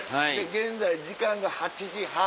現在時間が８時半。